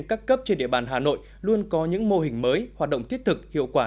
các cấp trên địa bàn hà nội luôn có những mô hình mới hoạt động thiết thực hiệu quả